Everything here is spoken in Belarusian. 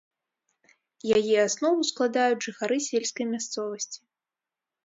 Яе аснову складаюць жыхары сельскай мясцовасці.